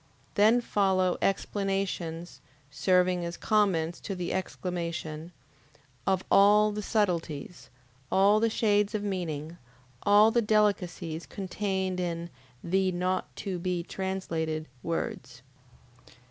Then follow explanations, serving as comments to the exclamation, of all the subtleties, all the shades of meaning, all the delicacies contained in THE NOT TO BE TRANSLATED words.